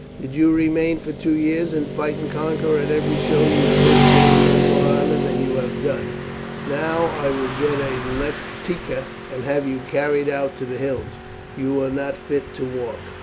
Did you remain for two years, and fight and conquer at every show, you could gain no more honour than you have done. Now I will get a lectica and have you carried out to the hills. You are not fit to walk."